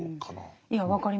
いや分かります。